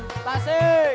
tasik tasik tasik